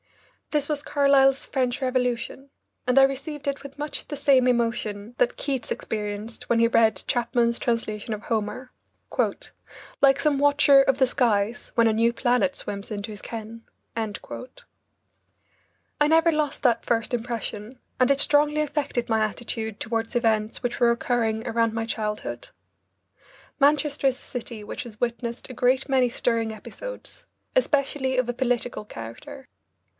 This was Carlyle's "French Revolution," and I received it with much the same emotion that Keats experienced when he read Chapman's translation of Homer "... like some watcher of the skies, When a new planet swims into his ken." I never lost that first impression, and it strongly affected my attitude toward events which were occurring around my childhood. Manchester is a city which has witnessed a great many stirring episodes, especially of a political character.